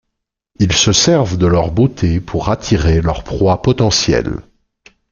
Ils se servent de leur beauté pour attirer leurs proies potentielles.